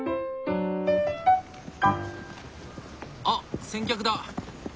あっ先客だ！